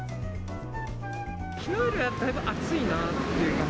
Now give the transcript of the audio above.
きのうよりだいぶ暑いなという感じ。